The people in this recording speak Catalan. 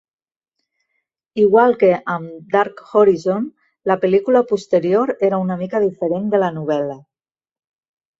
Igual que amb "Dark Horizon", la pel·lícula posterior era una mica diferent de la novel·la.